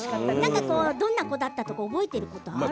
どんな子だったか覚えていることある？